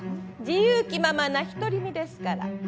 自由気ままな独り身ですから。